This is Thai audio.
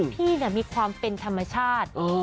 พี่มีความเป็นธรรมชาติ